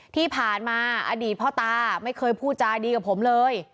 ที่ผ่านมาอดีตพ่อตาไม่เคยพูดจาดีกับผมเลย